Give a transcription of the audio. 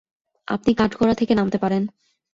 আপনি কাঠগড়া থেকে নামতে পারেন।